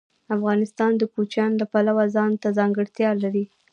افغانستان د کوچیان د پلوه ځانته ځانګړتیا لري.